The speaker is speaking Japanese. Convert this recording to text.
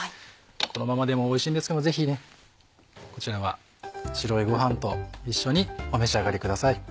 このままでもおいしいんですけどぜひこちらは白いご飯と一緒にお召し上がりください。